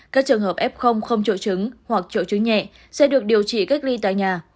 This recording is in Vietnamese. các trường hợp f không trộn chứng hoặc trộn chứng nhẹ sẽ được điều trị cách ly tại nhà